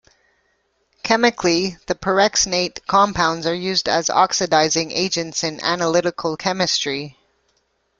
Chemically, the perxenate compounds are used as oxidizing agents in analytical chemistry.